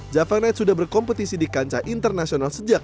java knight sudah berkompetisi di kancah internasional sejak dua ribu tujuh belas